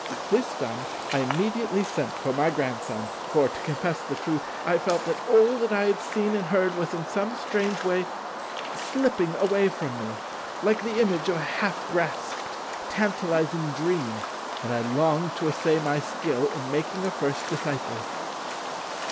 This done, I immediately sent for my Grandson; for, to confess the truth, I felt that all that I had seen and heard was in some strange way slipping away from me, like the image of a half grasped, tantalizing dream, and I longed to essay my skill in making a first disciple.